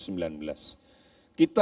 kita sudah mulai